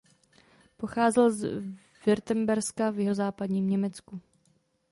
Pocházel z Württemberska v jihozápadním Německu.